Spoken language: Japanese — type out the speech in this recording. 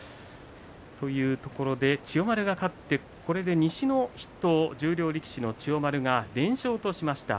千代丸が勝って、これで西の筆頭、十両力士の筆頭の千代丸が連勝としました。